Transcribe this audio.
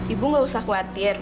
ibu nggak usah khawatir